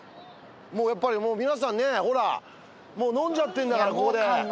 もうやっぱり皆さんねほらもう飲んじゃってんだからここで。